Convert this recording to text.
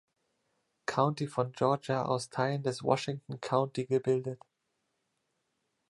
County von Georgia aus Teilen des Washington County gebildet.